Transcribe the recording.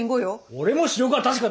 俺も視力は確かだ！